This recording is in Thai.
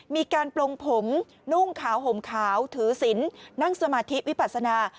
ปลงผมนุ่งขาวห่มขาวถือศิลป์นั่งสมาธิวิปัสนา